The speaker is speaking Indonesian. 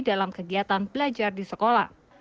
dalam kegiatan belajar di sekolah